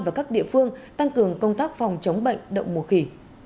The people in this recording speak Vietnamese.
và các địa phương tăng cường công tác phòng chống bệnh đậu mùa khỉ